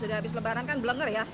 udah habis lebaran kan belenger ya